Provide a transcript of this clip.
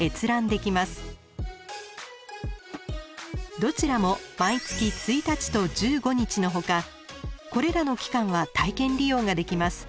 どちらも毎月１日と１５日のほかこれらの期間は体験利用ができます。